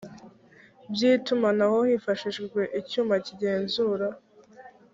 by itumanaho hifashishijwe icyuma kigenzura